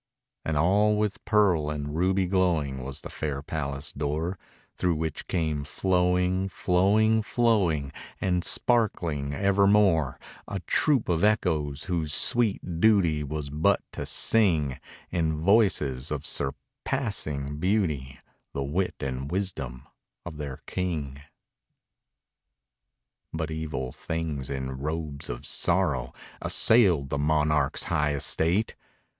And all with pearl and ruby glowing Was the fair palace door, Through which came flowing, flowing, flowing, And sparkling evermore, A troop of Echoes, whose sweet duty Was but to sing, In voices of surpassing beauty, The wit and wisdom of their king. But evil things, in robes of sorrow, Assailed the monarch's high estate.